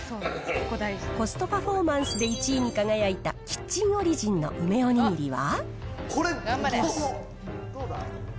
コストパフォーマンスで１位に輝いたキッチンオリジンの梅おにぎりは。